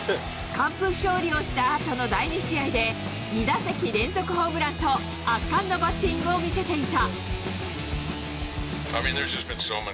完封勝利をした後の第２試合で、２打席連続ホームランと、圧巻のバッティングを見せていた。